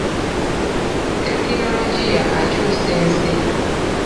Tekinologiya akyusa ensi.